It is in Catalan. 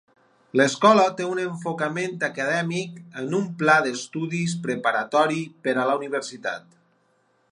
L'escola té un enfocament acadèmic amb un pla d'estudis preparatori per a la universitat.